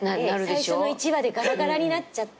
最初の１話でガラガラになっちゃって。